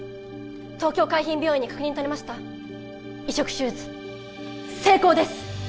東京海浜病院に確認取れました移植手術成功です